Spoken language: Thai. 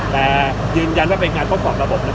แต่ยืนยันว่าเป็นการทดสอบระบบ